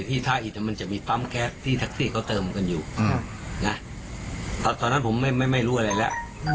ที่ท่าอิดมันจะมีปั๊มแก๊สที่แท็กซี่เขาเติมกันอยู่นะตอนนั้นผมไม่รู้อะไรแล้ว